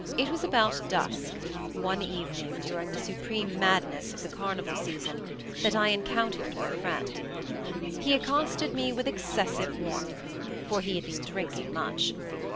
It was about dusk, one evening during the supreme madness of the carnival season, that I encountered my friend. He accosted me with excessive warmth, for he had been drinking much.